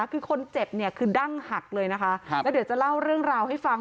คือคนเจ็บเนี่ยคือดั้งหักเลยนะคะแล้วเดี๋ยวจะเล่าเรื่องราวให้ฟัง